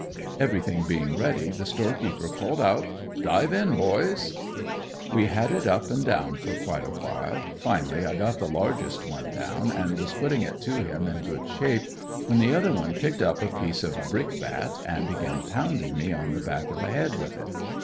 Everything being ready the store keeper called out, "dive in boys!" We had it up and down for quite a while, finally I got the largest one down, and was putting it to him in good shape, when the other one picked up a piece of brick bat and began pounding me on the back of the head with it.